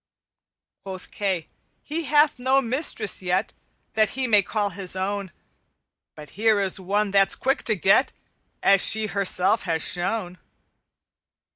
"Quoth Kay, 'He hath no mistress yet That he may call his own, But here is one that's quick to get, As she herself has shown.'